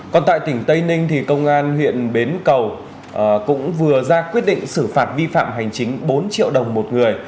còn tại tỉnh tây ninh công an huyện bến cầu cũng vừa ra quyết định xử phạt vi phạm hành chính bốn triệu đồng một người